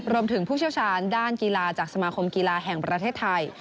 ผู้เชี่ยวชาญด้านกีฬาจากสมาคมกีฬาแห่งประเทศไทย